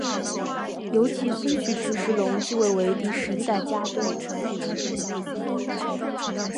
由其孙菊池时隆继位为第十一代家督。